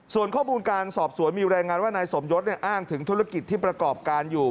ส่วนข้อมูลการสอบสวนมีรายงานว่านายสมยศอ้างถึงธุรกิจที่ประกอบการอยู่